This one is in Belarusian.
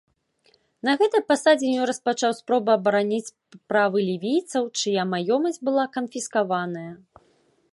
На гэтай пасадзе ён распачаў спробы абараніць правы лівійцаў, чыя маёмасць была канфіскаваная.